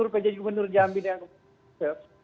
pj gubernur jambi dan pj kauser